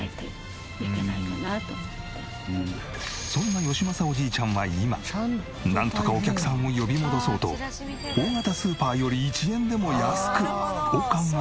そんな義正おじいちゃんは今なんとかお客さんを呼び戻そうと「大型スーパーより１円でも安く」を考える毎日。